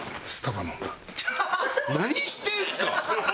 何してんすか！